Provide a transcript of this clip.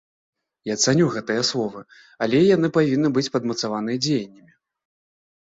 Я цаню гэтыя словы, але яны павінны быць падмацаваныя дзеяннямі.